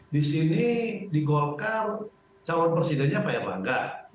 di sini di golkar calon presidennya pak erlangga